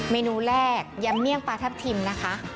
เมนูแรกยำเมี่ยงปลาทับทิมนะคะ